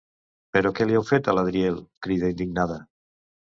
Però què li heu fet a l'Adriel? —crida indignada.